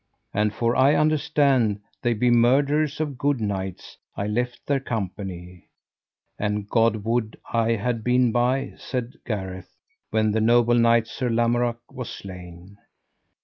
And for I understand they be murderers of good knights I left their company; and God would I had been by, said Gareth, when the noble knight, Sir Lamorak, was slain.